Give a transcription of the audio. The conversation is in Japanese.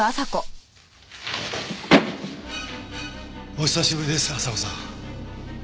お久しぶりです朝子さん。